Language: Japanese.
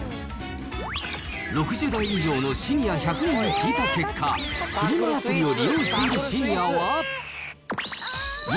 ６０代以上のシニア１００人に聞いた結果、フリマアプリを利用しているシニアは２６％。